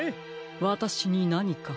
わたしになにか？